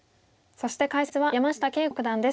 そして解説は山下敬吾九段です。